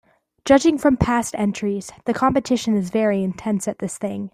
Judging from past entries, the competition is very intense at this thing.